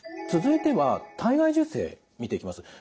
続いては体外受精見ていきます。